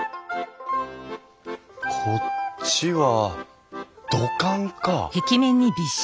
こっちは土管か。